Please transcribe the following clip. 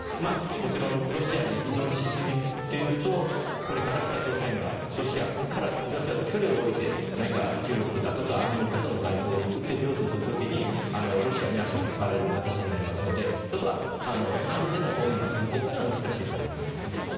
もちろんロシアに依存しすぎるとこれから北朝鮮がロシアと距離を置いて何か中国だとかアメリカとの外交に打って出ようとする時にロシアに足を引っ張られる形になりますのでそこは完全な透明な関係は難しいと思いますね。